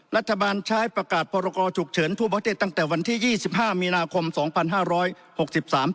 รัฐบาลใช้ประกาศพรกรฉุกเฉินทั่วประเทศตั้งแต่วันที่ยี่สิบห้ามีนาคมสองพันห้าร้อยหกสิบสาม